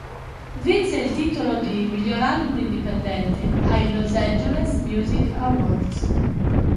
Vinse il titolo di "Miglior Album Indipendente" ai Los Angeles Music Awards.